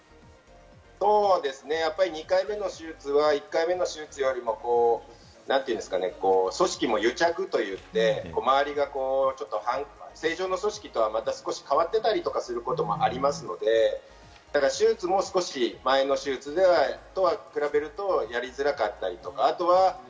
そうですね、２回目の手術は１回目の手術よりも組織も癒着といって、周りが正常の組織とはまた変わっていたりすることもあるので、手術も少し前の手術と比べるとやりづらかったりとか。